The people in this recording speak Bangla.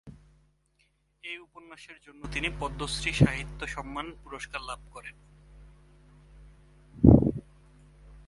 এই উপন্যাসের জন্য তিনি পদ্মশ্রী সাহিত্য সম্মান পুরস্কার লাভ করেন।